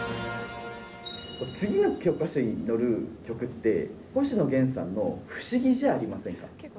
次の教科書に載る曲って、星野源さんの不思議じゃありませんか？